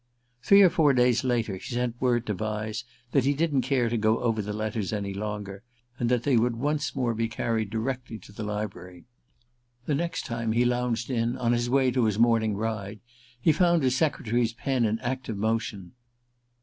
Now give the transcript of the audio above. Three or four days later he sent word to Vyse that he didn't care to go over the letters any longer, and that they would once more be carried directly to the library. The next time he lounged in, on his way to his morning ride, he found his secretary's pen in active motion.